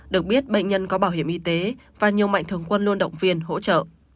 được biết bệnh nhân có bảo hiểm y tế và nhiều mạnh thường quân luôn động viên hỗ trợ